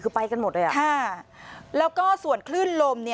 คือไปกันหมดเลยแล้วก็ส่วนคลื่นลม